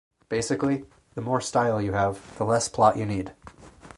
Basically, the more style you have, the less plot you need.